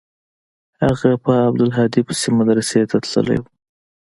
هغه په عبدالهادي پسې مدرسې ته تللى و.